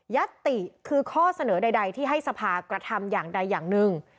ติคือข้อเสนอใดที่ให้สภากระทำอย่างใดอย่างหนึ่ง